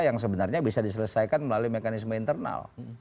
yang sebenarnya bisa diselesaikan melalui mekanisme internal